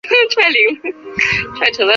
立碗藓为葫芦藓科立碗藓属下的一个种。